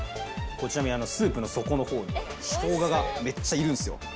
ちなみにスープの底の方に生姜がめっちゃいるんすよ。